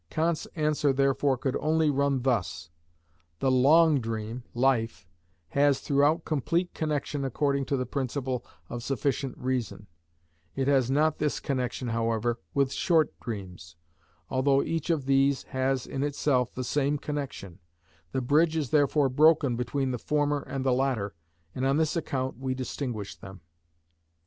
Kant's answer therefore could only run thus:—the long dream (life) has throughout complete connection according to the principle of sufficient reason; it has not this connection, however, with short dreams, although each of these has in itself the same connection: the bridge is therefore broken between the former and the latter, and on this account we distinguish them.